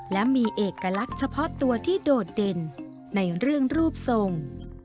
และมีเอกลักษณ์เฉพาะตัวที่โดดเด่นในเรื่องรูปทรง